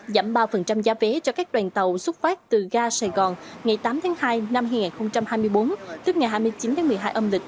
giảm ba giá vé cho các đoàn tàu xuất phát từ ga sài gòn ngày tám tháng hai năm hai nghìn hai mươi bốn